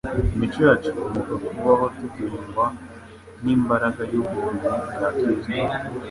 Imico yacu ikomoka mu kubaho tugengwa n'imbaraga y'ubuntu bwa Kristo.